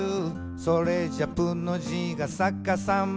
「それじゃ『プ』の字がさかさまだ」